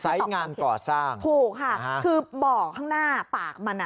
งานก่อสร้างถูกค่ะฮะคือบ่อข้างหน้าปากมันอ่ะ